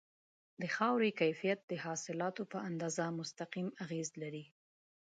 د خاورې کیفیت د حاصلاتو په اندازه مستقیم اغیز لري.